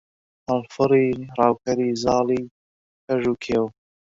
هەڵفڕی ڕاوکەری زاڵی کەژ و کێو